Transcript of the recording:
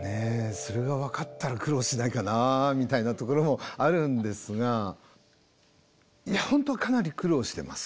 それが分かったら苦労しないかなみたいなところもあるんですがいや本当かなり苦労してます。